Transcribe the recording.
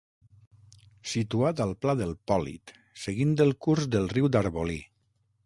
Situat al Pla del Pòlit, seguint el curs del Riu d'Arbolí.